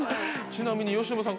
ちなみに由伸さん。